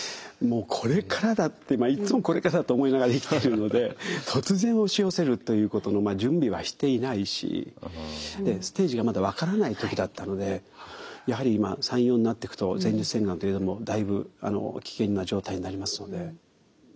もうこれからだっていつもこれからだと思いながら生きてるので突然押し寄せるということの準備はしていないしステージがまだ分からない時だったのでやはり３４になっていくと前立腺がんといえどもだいぶ危険な状態になりますので。